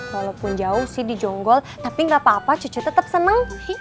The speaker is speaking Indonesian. walaupun jauh sih di jonggol tapi gak apa apa cucu tetap senang